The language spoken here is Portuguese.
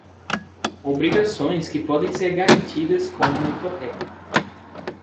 Obrigações que podem ser garantidas com uma hipoteca.